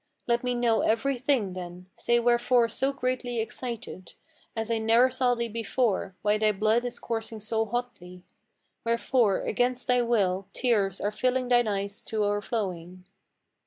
Let me know every thing, then; say wherefore so greatly excited 'As I ne'er saw thee before, why thy blood is coursing so hotly, Wherefore, against thy will, tears are filling thine eyes to o'erflowing."